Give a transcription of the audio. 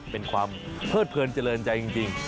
เป็นความเพิดเพลินเจริญใจจริง